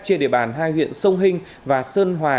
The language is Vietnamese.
trên địa bàn hai huyện sông hình và sơn hòa